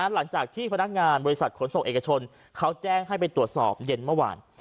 หลังจากที่พนักงานบริษัทขนส่งเอกชนเขาแจ้งให้ไปตรวจสอบเย็นเมื่อวาน